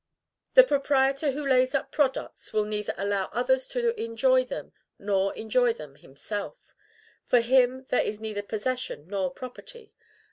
The proprietor who lays up products will neither allow others to enjoy them, nor enjoy them himself; for him there is neither possession nor property.